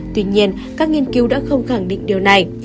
tuy nhiên các nghiên cứu đã không khẳng định điều này